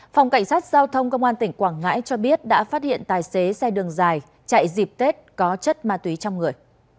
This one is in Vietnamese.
phòng cảnh sát giao thông công an tỉnh quảng ngãi cho biết đã phát hiện tài xế xe đường dài chạy dịp tết có chất ma túy trong người